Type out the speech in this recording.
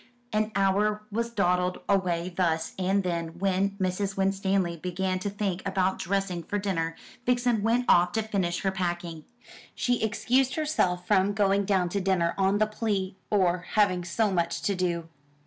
An hour was dawdled away thus, and then, when Mrs. Winstanley began to think about dressing for dinner, Vixen went off to finish her packing. She excused herself from going down to dinner on the plea or having so much to do.